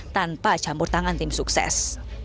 tanpa campur tangan tim sukses